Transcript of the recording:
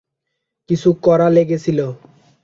কিছু কড়া লেগেছিল।